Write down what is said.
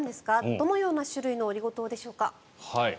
どのような種類のオリゴ糖ですか？